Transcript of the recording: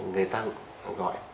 người ta gọi